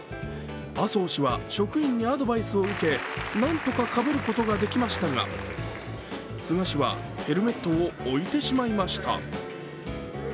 麻生氏は職員にアドバイスを受けなんとかかぶることができましたが、菅氏はヘルメットを置いてしまいました。